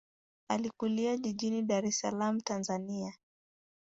Alikulia jijini Dar es Salaam, Tanzania.